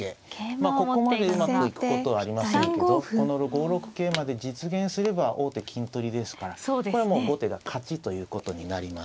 まあここまでうまくいくことはありませんけどこの５六桂まで実現すれば王手金取りですからこれはもう後手が勝ちということになります。